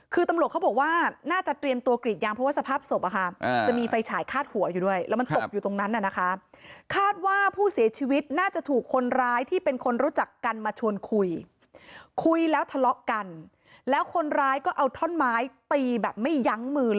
คือตำรวจเขาบอกว่าน่าจะเตรียมตัวกรีดยางเพราะว่าสภาพสมศพมีไฟฉายฆาตหัวอยู่ด้วยแล้วมันตกอยู่ตรงนั้นนั่นนะคะ